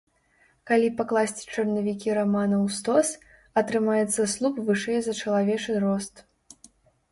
Калі пакласці чарнавікі рамана ў стос, атрымаецца слуп вышэй за чалавечы рост.